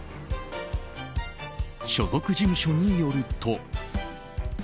所属事務所によると。